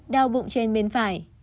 đau bụng trên bên phải